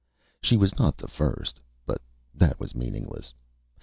She was not the first but that was meaningless.